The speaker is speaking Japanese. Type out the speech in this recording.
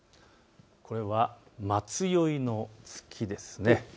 これは待宵の月ですね。